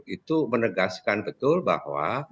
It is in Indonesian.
itu menegaskan betul bahwa